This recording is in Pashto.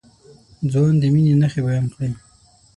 ځوان د مينې نښې بيان کړې.